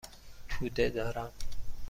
توده دارم.